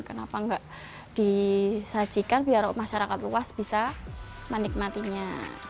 kenapa nggak disajikan biar masyarakat luas bisa menikmatinya